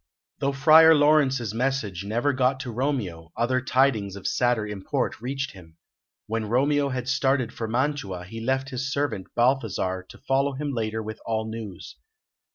Though Friar Laurence's message never got to Romeo, other tidings of sadder import reached him. When Romeo had started for Mantua, he left his servant, Balthasar, to follow him later with all news.